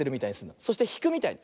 そしてひくみたいに。